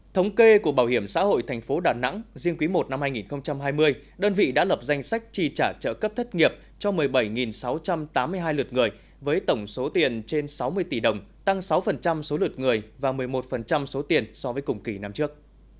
thống kê của bảo hiểm xã hội thành phố đà nẵng riêng quý i năm hai nghìn hai mươi đơn vị đã lập danh sách tri trả trợ cấp thất nghiệp cho một mươi bảy sáu trăm tám mươi hai lượt người với tổng số tiền trên sáu mươi tỷ đồng tăng sáu số lượt người và một mươi một số tiền so với cùng kỳ năm trước